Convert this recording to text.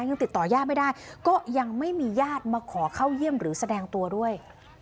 ยังติดต่อย่าไม่ได้ก็ยังไม่มีญาติมาขอเข้าเยี่ยมหรือแสดงตัวด้วย